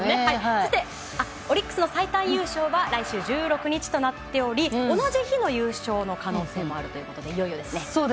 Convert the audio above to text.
そしてオリックスの最短優勝は来週１６日となっていて同じ日の優勝の可能性もあるということで、いよいよですね。